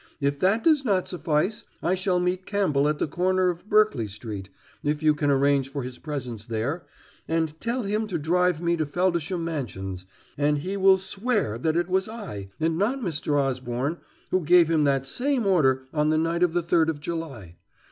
If that does not suffice, I shall meet Campbell at the corner of Berkeley Street, if you can arrange for his presence there, and tell him to drive me to Feldisham Mansions, and he will swear that it was I, and not Mr. Osborne, who gave him that same order on the night of the third of July.